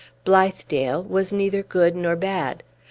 Blithedale was neither good nor bad.